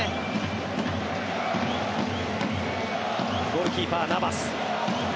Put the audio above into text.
ゴールキーパー、ナバス。